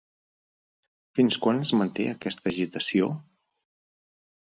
Fins quan es manté aquesta agitació?